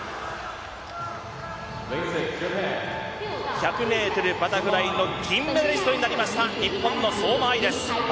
１００ｍバタフライの銀メダリストになりました、日本の相馬あい。